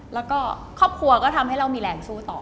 แล้วก็ครอบครัวก็ทำให้เรามีแรงสู้ต่อ